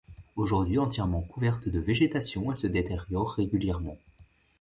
Aujourd'hui entièrement couverte de végétation, elle se détériore régulièrement.